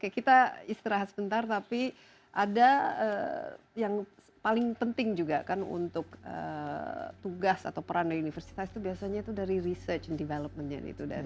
kita istirahat sebentar tapi ada yang paling penting juga kan untuk tugas atau peran dari universitas itu biasanya itu dari research and developmentnya itu